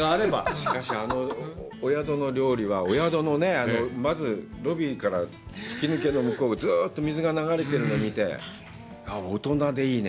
しかし、あのお宿の料理は、お宿、まず、ロビーから吹き抜けの向こうをずっと水が流れてるの見て、大人でいいね。